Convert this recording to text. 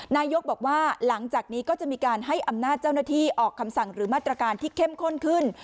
นายกบอกว่าหลังจากนี้ก็จะมีการให้อำนาจเจ้าหน้าที่ออกคำสั่งหรือมาตรการที่เข้มข้นขึ้น